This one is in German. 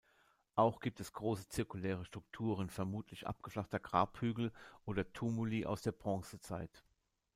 Auch gibt es große zirkuläre Strukturen, vermutlich abgeflachter Grabhügel oder Tumuli aus der Bronzezeit.